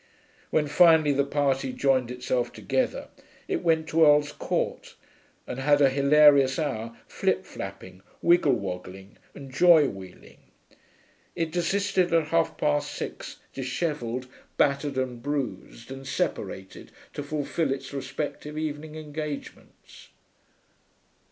When finally the party joined itself together, it went to Earl's Court and had a hilarious hour flip flapping, wiggle woggling, and joy wheeling. It desisted at half past six, dishevelled, battered and bruised, and separated to fulfil its respective evening engagements.